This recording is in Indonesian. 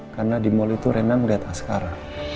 karena di mall itu rena ngeliat askara